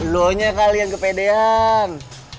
lu nya kali yang kepedean